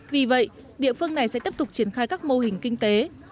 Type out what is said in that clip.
vì vậy địa phương này sẽ tiếp tục triển khai các mô hình kinh tế